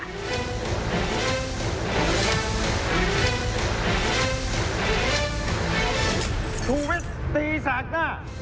ถูกมิดตีแสกหน้า